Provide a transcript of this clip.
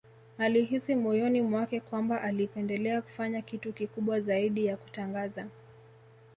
Alihisi moyoni mwake kwamba alipendelea kufanya kitu kikubwa zaidi ya kutangaza